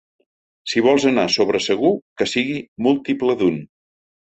Si vols anar sobre segur, que sigui múltiple d'un.